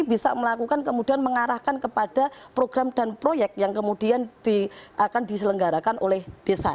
bisa melakukan kemudian mengarahkan kepada program dan proyek yang kemudian akan diselenggarakan oleh desa